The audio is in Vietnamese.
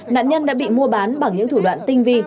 nạn nhân đã bị mua bán bằng những thủ đoạn tinh vi